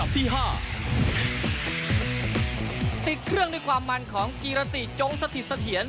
ติดเครื่องด้วยความมันของกีรติจงสถิตเสถียร